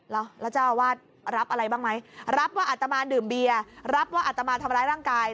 แล้วแล้วเจ้าอาวาสรับอะไรบ้างไหมรับว่าอัตมาดื่มเบียร์รับว่าอัตมาทำร้ายร่างกาย